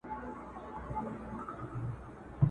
له مُلا چي څوک منکر دي په مکتب کي د شیطان دي!